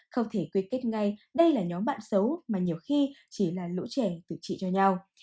không thể quyê kết ngay đây là nhóm bạn xấu mà nhiều khi chỉ là lũ trẻ tự trị cho nhau